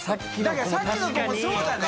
だからさっきの子もそうだね。